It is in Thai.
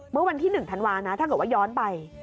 เมื่อวันที่๑ธันวานะถ้าเกิดว่าย้อนไป